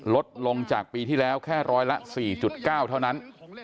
ลดลงจากปีที่แล้วแค่ร้อยละ๔๙เท่านั้น